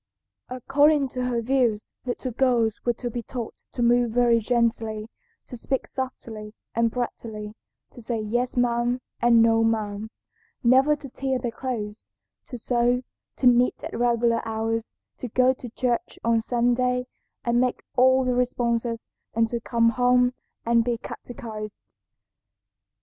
"According to her views little girls were to be taught to move very gently, to speak softly and prettily, to say 'yes ma'am,' and 'no ma'am,' never to tear their clothes, to sew, to knit at regular hours, to go to church on Sunday and make all the responses, and to come home and be catechised.